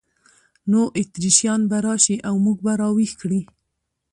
نو اتریشیان به راشي او موږ به را ویښ کړي.